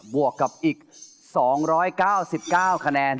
วกกับอีก๒๙๙คะแนน